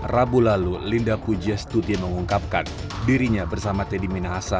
rabu lalu linda pujastuti mengungkapkan dirinya bersama teddy minahasa